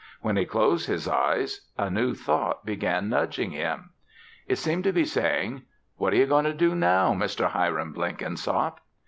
When he closed his eyes a new thought began nudging him. It seemed to be saying, "What are you going to do now, Mr. Hiram Blenkinsop?"